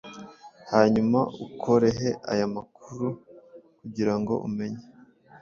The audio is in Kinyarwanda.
hanyuma ukorehe aya makuru kugirango umenye